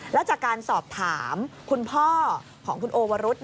แล้วจากการสอบถามคุณพ่อของคุณโอวรุษ